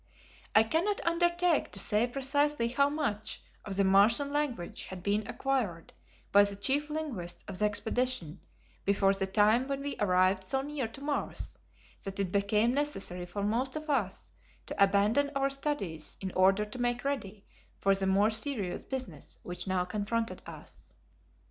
I cannot undertake to say precisely how much of the Martian language had been acquired by the chief linguists of the expedition before the time when we arrived so near to Mars that it became necessary for most of us to abandon our studies in order to make ready for the more serious business which now confronted us.